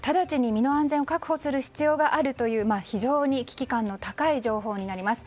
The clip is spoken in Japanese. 身の安全を確保する必要があるという、非常に危機感の高い情報になります。